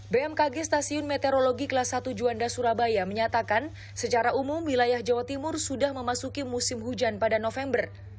bmkg stasiun meteorologi kelas satu juanda surabaya menyatakan secara umum wilayah jawa timur sudah memasuki musim hujan pada november